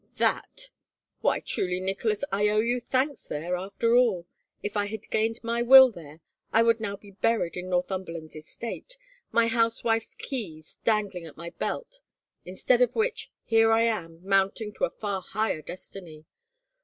" That ... why truly, Nicholas, I owe you thanks there, after all. If I had gained my will there, I would be now buried in Northvmiberland's estate, my housewife's keys dangling at my belt — instead of which, here am I mounting to a far higher destiny.